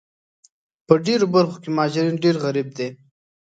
په ډېرو برخو کې مهاجرین ډېر غریب دي